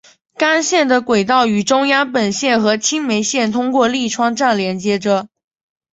干线的轨道与中央本线和青梅线通过立川站连接着。